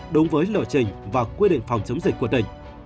đúng với lộ trình và quy định phòng chống dịch của tỉnh